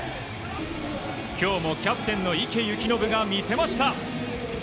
今日もキャプテンの池透暢が魅せました。